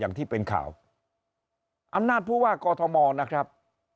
อย่างที่เป็นข่าวอำนาจผู้ว่ากอทมนะครับ